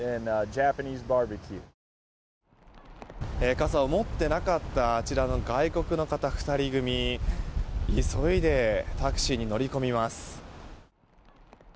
傘を持っていなかったあちらの外国の方２人組急いでタクシーに乗り込みます。